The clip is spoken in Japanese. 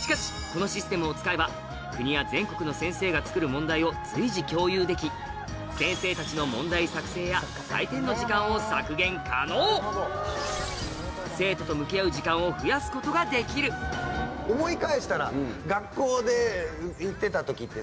しかしこのシステムを使えば国や全国の先生が作る問題を随時共有でき先生たちの問題作成や採点の時間を削減可能生徒と向き合う時間を増やすことができる思い返したら学校行ってた時って。